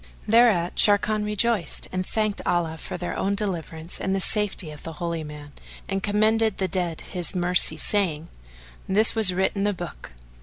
Thereat Sharrkan rejoiced and all thanked Allah for their own deliverance and the safety of the Holy Man; and commended the dead to His mercy saying, "This was writ in the Book."